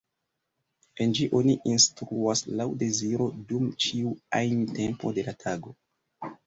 En ĝi oni instruas laŭ deziro dum ĉiu ajn tempo de la tago.